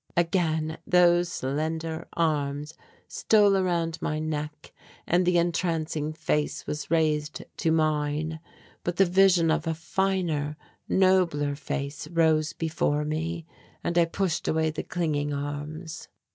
Again those slender arms stole around my neck, and the entrancing face was raised to mine. But the vision of a finer, nobler face rose before me, and I pushed away the clinging arms.